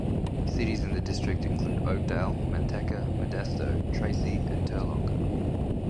Cities in the district include Oakdale, Manteca, Modesto, Tracy, and Turlock.